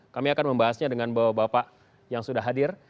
kami akan membahasnya dengan bapak bapak yang sudah hadir